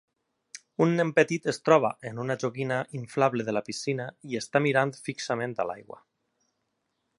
Un nen petit es troba en una joguina inflable de la piscina i està mirant fixament a l'aigua.